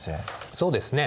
そうですね。